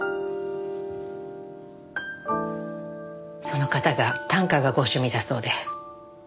その方が短歌がご趣味だそうで。